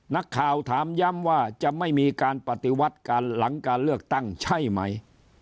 นักข่าวถามย้ำว่าจะไม่มีการปฏิวัติการหลังการเลือกตั้งใช่ไหม